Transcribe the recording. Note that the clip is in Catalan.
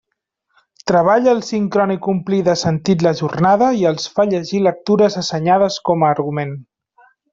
Treballa el sincrònic omplir de sentit la jornada i els fa llegir lectures assenyades com a argument.